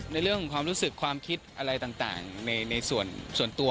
ในเรื่องของความรู้สึกความคิดอะไรต่างในส่วนตัว